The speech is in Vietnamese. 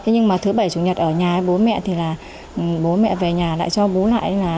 nhưng mà thứ bảy chủ nhật ở nhà với bố mẹ thì là bố mẹ về nhà lại cho bố lại